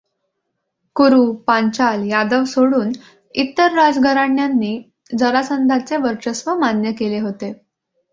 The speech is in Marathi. कुरु, पांचाल, यादव सोडून इतर राजघराण्यानी जरासंधाचे वर्चस्व मान्य केले होते.